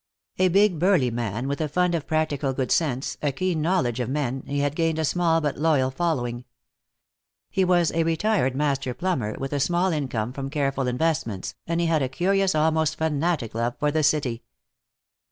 A big, burly man, with a fund of practical good sense a keen knowledge of men, he had gained a small but loyal following. He was a retired master plumber, with a small income from careful investments, and he had a curious, almost fanatic love for the city.